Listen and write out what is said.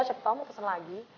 siapa tau mau pesen lagi